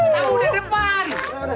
tabu dari depan